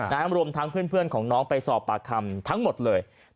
รวมทั้งเพื่อนของน้องไปสอบปากคำทั้งหมดเลย